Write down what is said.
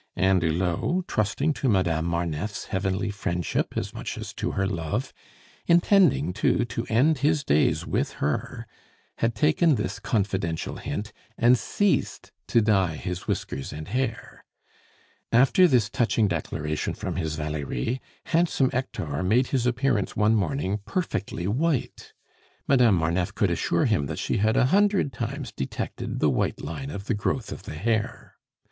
And Hulot, trusting to Madame Marneffe's heavenly friendship as much as to her love, intending, too, to end his days with her, had taken this confidential hint, and ceased to dye his whiskers and hair. After this touching declaration from his Valerie, handsome Hector made his appearance one morning perfectly white. Madame Marneffe could assure him that she had a hundred times detected the white line of the growth of the hair.